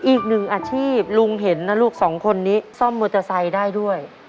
อีกหนึ่งอาชีพลุงเห็นนะลูกสองคนนี้ซ่อมมอเตอร์ไซค์ได้ด้วย